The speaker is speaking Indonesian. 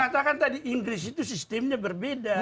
saya sudah mengatakan tadi inggris itu sistemnya berbeda